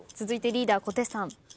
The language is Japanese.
続いてリーダー小手さん。